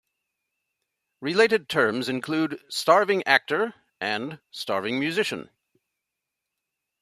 Related terms include starving actor and starving musician.